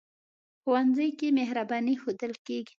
ښوونځی کې مهرباني ښودل کېږي